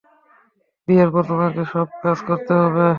বিয়ের পর, তোমাকে সব কাজ করতে হবে।